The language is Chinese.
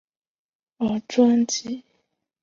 而专辑并未收录该曲目。